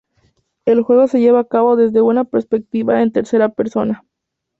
El juego se lleva a cabo desde una perspectiva en tercera persona.